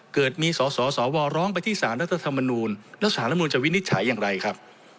เกิดมีสสวร้องไปที่สารรัฐธรรมนูลแล้วสารรัฐมนูลจะวินิจฉัยอย่างไรครับ